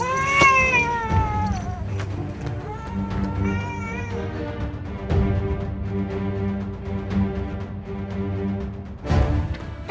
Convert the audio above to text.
kamu sih yang salah